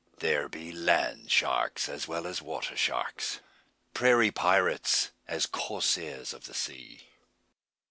There be land sharks as well as water sharks prairie pirates as corsairs of the sea.